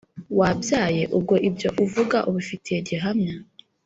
wabyaye!!!! ubwo ibyo uvuga ubifitiye gihamya ”